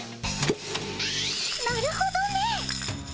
なるほどね。